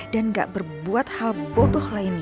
dan ga berbuat hal bodoh lainnya